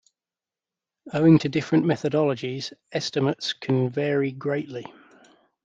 Owing to different methodologies, estimates can vary greatly.